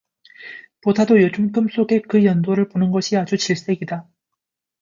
보다도 요즘 꿈속에 그 연돌을 보는 것이 아주 질색이다.